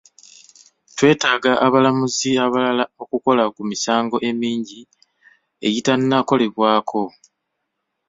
Twetaaga abalamuzi abalala okukola ku misango emingi egitannakolebwako.